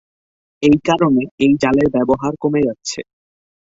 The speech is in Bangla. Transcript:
এই কারণে এই জালের ব্যবহার কমে যাচ্ছে।